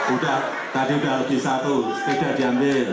udah tadi udah lagi satu setidak diambil